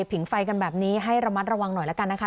ผิงไฟกันแบบนี้ให้ระมัดระวังหน่อยแล้วกันนะคะ